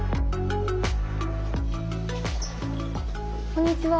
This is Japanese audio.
こんにちは。